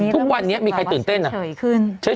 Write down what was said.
ทุกวันนี้มีใครตื่นเต้นอ่ะ